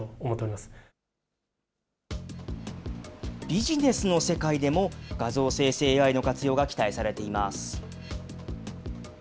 ビジネスの世界でも、画像生成ＡＩの活用が期待されています。